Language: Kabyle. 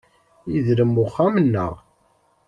Yedrem uxxam-nneɣ.